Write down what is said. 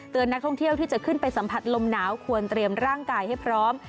นักท่องเที่ยวที่จะขึ้นไปสัมผัสลมหนาวควรเตรียมร่างกายให้พร้อม